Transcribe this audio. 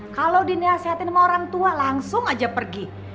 kalo dihasilkan sama orang tua langsung aja pergi